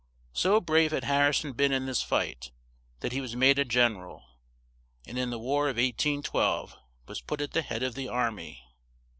So brave had Har ri son been in this fight, that he was made a gen er al; and in the War of 1812 was put at the head of the ar my.